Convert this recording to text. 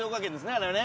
あれはね。